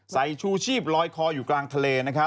ชูชีพลอยคออยู่กลางทะเล